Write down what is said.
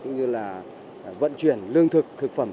như là vận chuyển lương thực thực phẩm